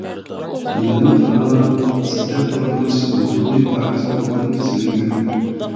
مىليون ئانىلار سىزدەك قورقماس، ۋۇجۇدى پاكىز ئوغلىدىن سۆيۈنمەكتە.